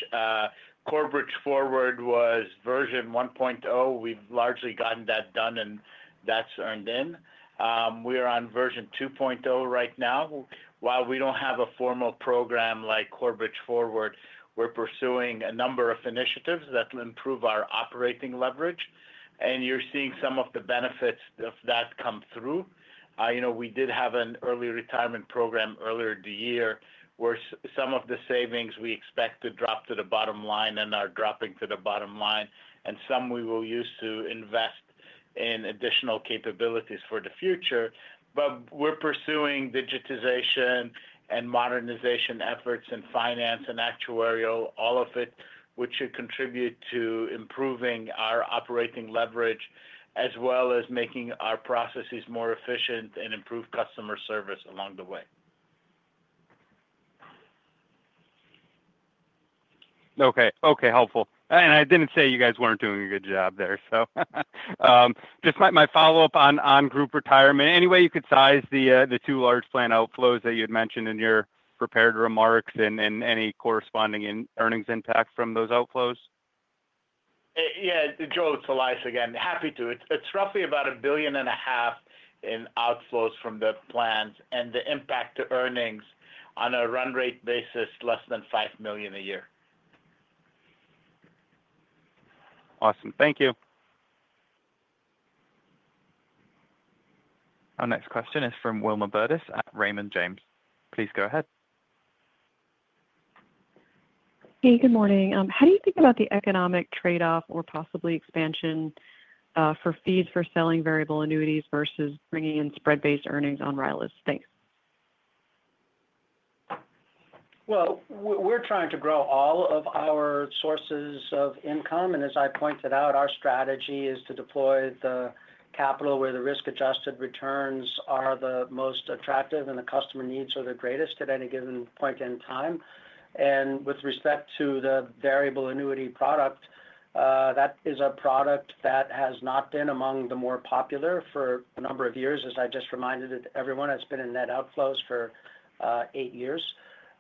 Corebridge Forward was version 1.0. We've largely gotten that done and that's earned in. We are on version 2.0 right now. While we don't have a formal program like Corebridge Forward, we're pursuing a number of initiatives that improve our operating leverage, and you're seeing some of the benefits of that come through. We did have an early retirement program earlier the year where some of the savings we expect to drop to the bottom line and are dropping to the bottom line and some we will use to invest in additional capabilities for the future. We're pursuing digitization and modernization efforts in finance and actuarial, all of which should contribute to improving our operating leverage as well as making our processes more efficient and improve customer service along the way. Okay, helpful. I didn't say you guys weren't doing a good job there. Just my follow up on group retirement. Any way you could size the two large plans, outflows that you had mentioned in your prepared remarks and any corresponding earnings impact from those outflows? Yeah, Joel, Elias again. Happy to. It's roughly about $1.5 billion in outflows from the plans and the impact to earnings on a run rate basis less than $5 million a year. Awesome. Thank you. Our next question is from Wilma Burdis at Raymond James. Please go ahead. Hey, good morning. How do you think about the economic trade off or possibly expansion for fees for selling variable annuities versus bringing in spread based earnings on RILA products? Thanks. We're trying to grow all of our sources of income. As I pointed out, our strategy is to deploy the capital where the risk adjusted returns are the most attractive and the customer needs are the greatest at any given point in time. With respect to the variable annuity product, that is a product that has not been among the more popular for a number of years, as I just reminded everyone, it's been in net outflows for eight years.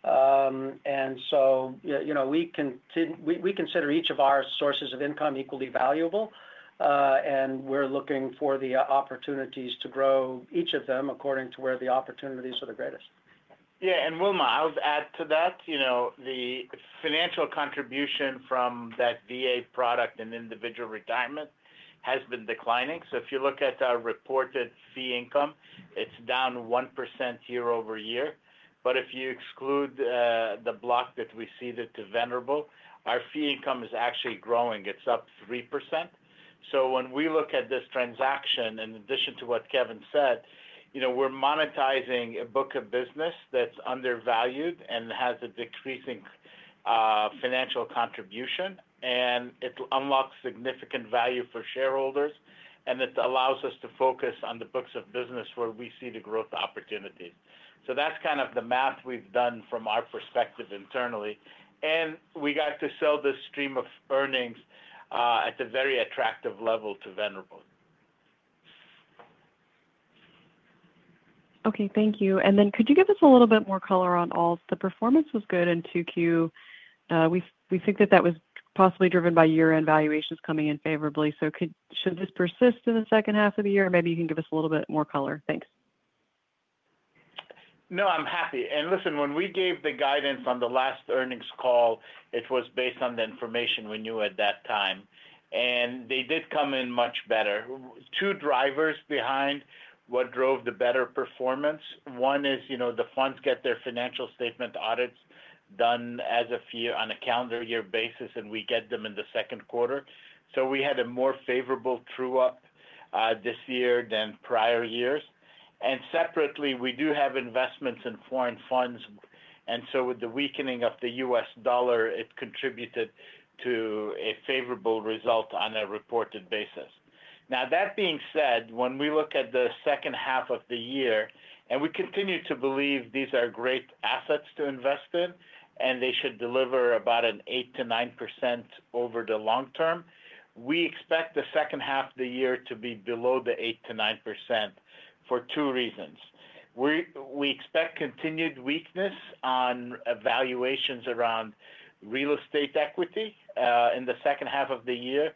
We consider each of our sources of income equally valuable and we're looking for the opportunities to grow each of them according to where the opportunities are the greatest. Yeah, and Wilma, I'll add to that, you know, the financial contribution from that VA product and Individual Retirement has been declining. If you look at our reported fee income, it's down 1% year-over-year. If you exclude the block that we ceded to Venerable, our fee income is actually growing. It's up 3%. When we look at this transaction, in addition to what Kevin said, you know, we're monetizing a book of business that's undervalued and has a decreasing financial contribution. It unlocks significant value for shareholders and it allows us to focus on the books of business where we see the growth opportunity. That's kind of the math we've done from our perspective internally. We got to sell this stream of earnings at a very attractive level to Venerable. Okay, thank you. Could you give us a little bit more color on alt? The performance was good in 2Q. We think that that was possibly driven by year-end valuations coming in favorably. Could this persist in the second half of the year? Maybe you can give us a little bit more color. Thanks. No, I'm happy. When we gave the guidance on the last earnings call, it was based on the information we knew at that time and they did come in much better. Two drivers behind what drove the better performance. One is, you know, the funds get their financial statement audits done as a firm on a calendar year basis and we get them in the second quarter. We had a more favorable true up this year than prior year. Separately, we do have investments in foreign funds. With the weakening of the U.S. Dollar, it contributed to a favorable result on a reported basis. That being said, when we look at the second half of the year and we continue to believe these are great assets to invest in and they should deliver about an 8%-9% over the long term, we expect the second half of the year to be below the 8%-9% for two reasons. We expect continued weakness on valuations around real estate equity in the second half of the year.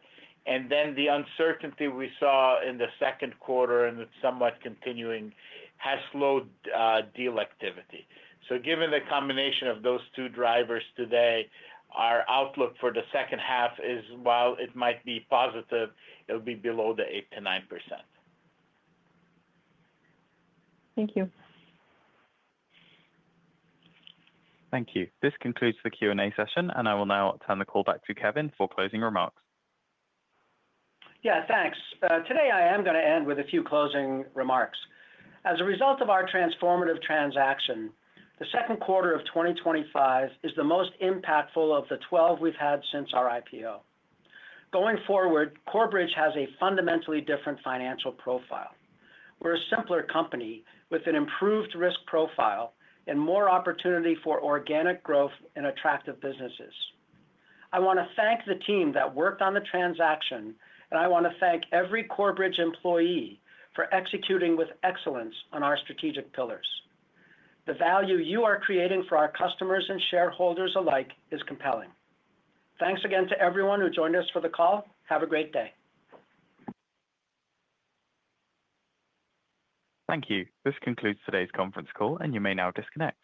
The uncertainty we saw in the second quarter and it's somewhat continuing, has slowed deal activity. Given the combination of those two drivers today, our outlook for the second half is while it might be positive, it'll be below the 8%-9%. Thank you. Thank you. This concludes the Q&A session, and I will now turn the call back to Kevin for closing remarks. Yeah, thanks. Today I am going to end with a few closing remarks. As a result of our transformative transaction, the second quarter of 2025 is the most impactful of the 12 we've had since our IPO. Going forward, Corebridge has a fundamentally different financial profile. We're a simpler company with an improved risk profile and more opportunity for organic growth and attractive businesses. I want to thank the team that worked on the transaction, and I want to thank every Corebridge employee for executing with excellence on our strategic pillars. The value you are creating for our customers and shareholders alike is compelling. Thanks again to everyone who joined us for the call. Have a great day. Thank you. This concludes today's conference call, and you may now disconnect.